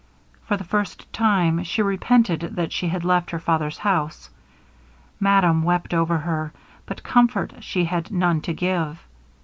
For the first time, she repented that she had left her father's house. Madame wept over her, but comfort she had none to give.